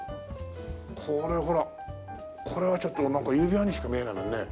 これほらこれはちょっと指輪にしか見えないもんね。